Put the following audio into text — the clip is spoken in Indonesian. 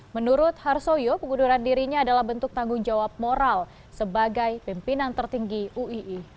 menurut harsoyo pengunduran dirinya adalah bentuk tanggung jawab moral sebagai pimpinan tertinggi uii